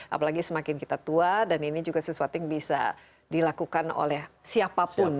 apalagi semakin kita tua dan ini juga sesuatu yang bisa dilakukan oleh siapapun